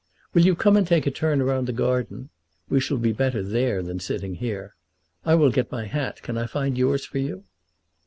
"Will you come and take a turn round the garden? We shall be better there than sitting here. I will get my hat; can I find yours for you?"